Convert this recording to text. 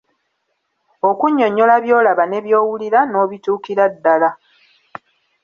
Okunnyonyola by'olaba ne by'owulira n'obituukira ddala.